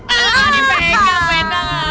aduh kangen pegang bu endang